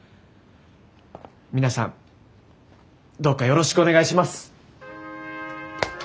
皆さんどうかよろしくお願いします。